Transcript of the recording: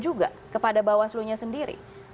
juga kepada bawah selunya sendiri